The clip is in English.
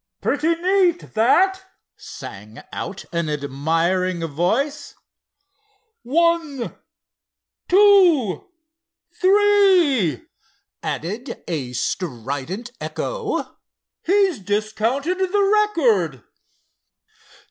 "Pretty neat, that!" sang out an admiring voice. "One—two—three" added a strident echo—"he's discounted the record!"